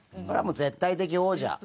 これはもう絶対的王者。